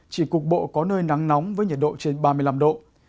chỉ cục bộ có nơi nắng nóng với nhiệt độ trên ba mươi năm độ